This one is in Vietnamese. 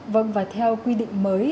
vâng và theo quy định mới